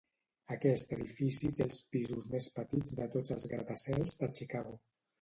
Aquest edifici té els pisos més petits de tots els gratacels de Chicago.